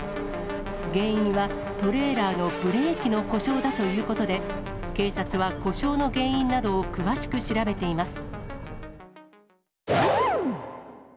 原因は、トレーラーのブレーキの故障だということで、警察は故障の原因などを詳しく調べています。